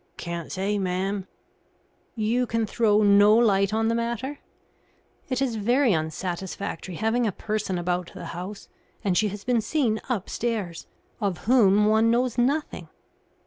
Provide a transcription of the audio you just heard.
"Can't say, ma'am." "You can throw no light on the matter? It is very unsatisfactory having a person about the house and she has been seen upstairs of whom one knows nothing."